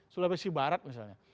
sulawesi barat misalnya